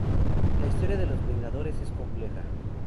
La historia de los Vengadores es compleja.